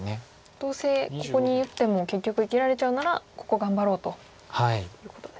どうせここに打っても結局生きられちゃうならここ頑張ろうということですね。